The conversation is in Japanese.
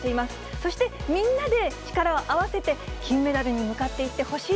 そしてみんなで力を合わせて、金メダルに向かっていってほしい